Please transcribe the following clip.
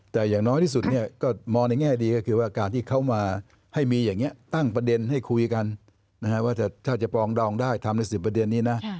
แต่อย่างน้อยที่สุดเนี่ยก็มองในแง่ดีก็คือว่าการที่เขามาให้มีอย่างนี้ตั้งประเด็นให้คุยกันว่าถ้าจะปรองดองได้ทำใน๑๐ประเด็นนี้นะ